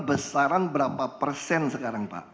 besaran berapa persen sekarang pak